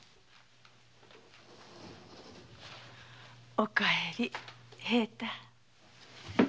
お帰り平太。